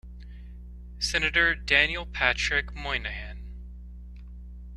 Senator Daniel Patrick Moynihan.